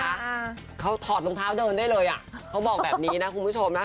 อ่าเขาถอดรองเท้าเดินได้เลยอ่ะเขาบอกแบบนี้นะคุณผู้ชมนะ